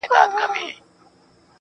o خلگو شتنۍ د ټول جهان څخه راټولي كړې.